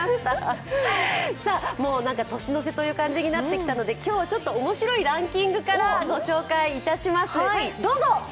年の瀬という感じになってきたので今日はちょっと面白いランキングからご紹介いたします。